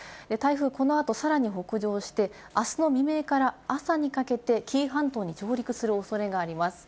台風、このあとさらに北上して、あすの未明から朝にかけて紀伊半島に上陸するおそれがあります。